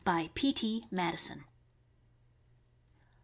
BY P. T. MADISON.